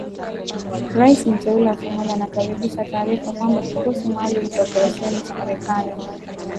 Rais mteule wa Somalia anakaribisha taarifa kwamba, kikosi maalum cha operesheni cha Marekani.